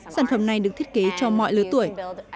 sản phẩm này được thiết kế cho mọi lứa tuổi